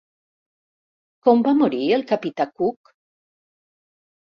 Com va morir el capità Cook?